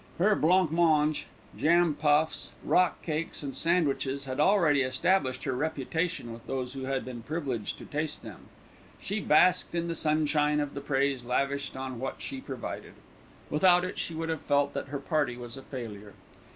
Her blanc mange, jam puffs, rock cakes, and sandwiches had already established her reputation with those who had been privileged to taste them. She basked in the sunshine of the praise lavished on what she provided. Without it she would have felt that her party was a failure.